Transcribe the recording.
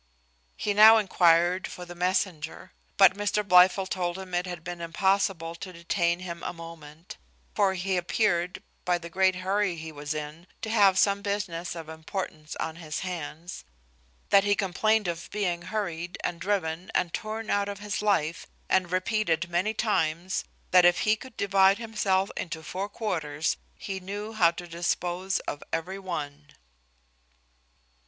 He now enquired for the messenger; but Blifil told him it had been impossible to detain him a moment; for he appeared by the great hurry he was in to have some business of importance on his hands; that he complained of being hurried and driven and torn out of his life, and repeated many times, that if he could divide himself into four quarters, he knew how to dispose of every one.